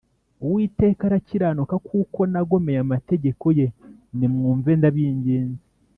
Uwiteka arakiranuka kuko nagomeye amategeko ye, Nimwumve ndabinginze,